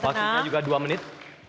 waktunya juga dua menit